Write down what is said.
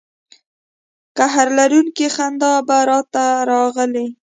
قهر لرونکې خندا به را ته راغلې.